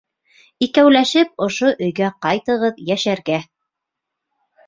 Икәүләшеп ошо өйгә ҡайтығыҙ йәшәргә.